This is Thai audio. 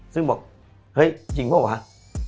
ซึ่งบอกเฮ้ยจริงเปล่าวะ